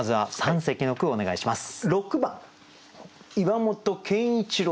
二席の句をお願いします。